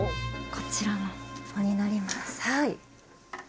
こちらの子になります。